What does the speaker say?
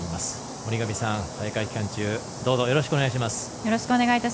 森上さん、大会期間中どうぞ、よろしくお願いします。